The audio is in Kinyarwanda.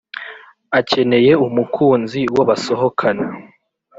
akeneye umukunzi wo basohokana